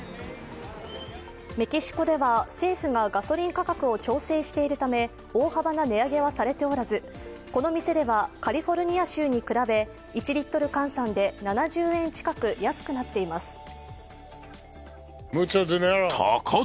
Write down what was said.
メキシコでは、政府がガソリン価格を調整しているため大幅な値上げはされておらず、この店ではカリフォルニア州に比べ、１リットル換算で７０円近く安くなっています。